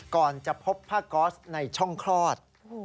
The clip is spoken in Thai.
ก่อนจะพบผ้าก๊อสในช่องคลอด